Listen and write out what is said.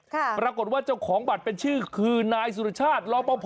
ปรากฏว่าเจ้าของบัตรเป็นชื่อคือนายสุรชาติรอปภ